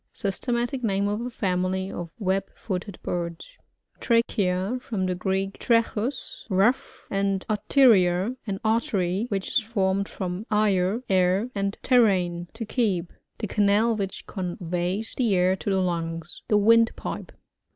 Systematic name of a &mily of web.fboted birds. Trachea. — From the Greek, fracAus, rough, and arteria^ an artery, which is formed from o«r, air, and tertin^ to keep. The canal which conveys \ the air to the lungs. The windpipe.